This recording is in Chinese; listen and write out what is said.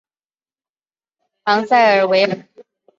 昂塞尔维尔。